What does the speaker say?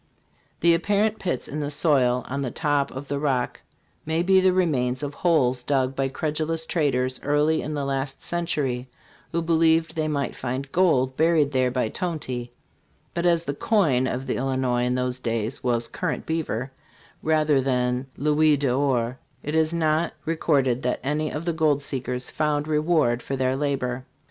The apparent pits in the soil on the top of the Rock may be the remains of holes dug by credulous traders early in the last century, who believed they might find gold buried there by Tonty ; but as the "coin " of the Illi nois in those days was "current beaver" rather than Louis d'or, it is not recorded that any of the gold seekers found reward for their labor.